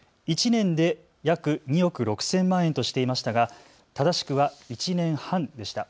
１年で約２億６０００万円としていましたが正しくは１年半でした。